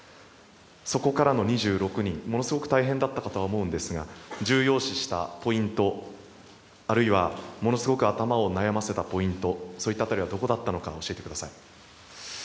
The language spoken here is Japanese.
そこからの２６人ものすごく大変だったとは思うんですが重要視したポイント、あるいはものすごく頭を悩ませたポイントそういった辺りはどこだったのか教えてください。